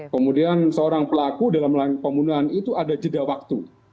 kemudian seorang pelaku dalam pembunuhan itu ada jeda waktu